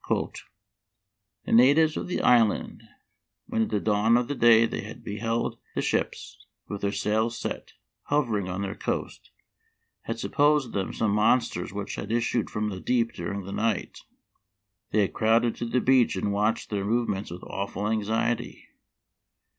—" The natives of the island, when at the dawn of day they had beheld the ships, with their sails set, hovering on their coast, had supposed them some monsters which had issued from the deep during the night. They had crowded to the beach and watched their movements with awful anxiety.